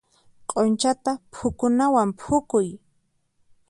Q'unchata phukunawan phukuy.